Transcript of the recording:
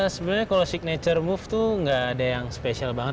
sebenarnya kalau signature move tuh gak ada yang spesial banget